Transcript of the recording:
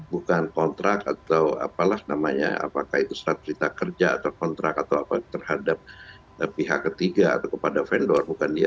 bukan kontrak atau apalah namanya apakah itu surat perintah kerja atau kontrak atau apa terhadap pihak ketiga atau kepada vendor bukan dia